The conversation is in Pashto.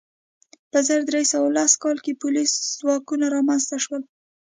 په زر درې سوه لس کال کې پولیس ځواکونه رامنځته شول.